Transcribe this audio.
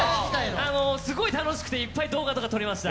すごい楽しくて、いっぱい動画とか撮りました。